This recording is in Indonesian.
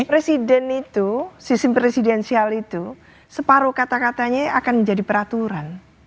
presiden itu sistem presidensial itu separuh kata katanya akan menjadi peraturan